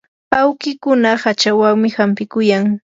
awkikuna hachawanmi hampikuyan.